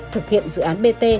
thực hiện dự án bt